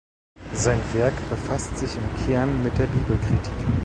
Sein Werk befasst sich im Kern mit der Bibelkritik.